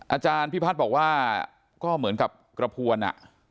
อาจารย์พิพัฒน์บอกว่าก็เหมือนกับกระพวน